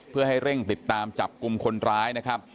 เพื่อให้เร่งติดตามจับกลุ่มคนร้ายนะครับ